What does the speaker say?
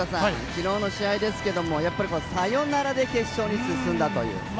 昨日の試合ですがサヨナラで決勝に進んだという。